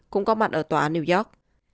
cũng có mặt ở tòa án new york